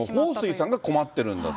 彭帥さんが困っているんだと。